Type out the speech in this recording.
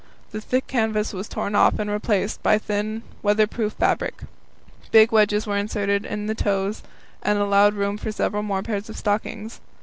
The thick canvas was torn off and replaced by thin weather proof fabric. Big wedges were inserted in the toes, and allowed room for several more pairs of stockings.